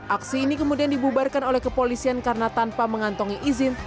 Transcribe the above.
aksi ini kemudian dibubarkan oleh kepolisian karena tanpa mengantongi izin